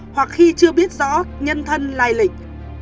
hoặc khi chưa biết rõ nhân thân lai lịch